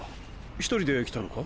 １人で来たのか？